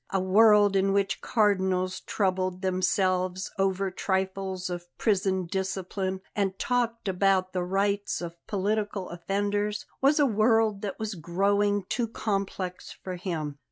A world in which Cardinals troubled themselves over trifles of prison discipline and talked about the "rights" of political offenders was a world that was growing too complex for him.